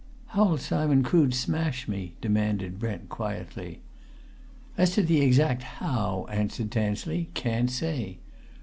"How'll Simon Crood smash me?" demanded Brent quietly. "As to the exact how," answered Tansley, "can't say!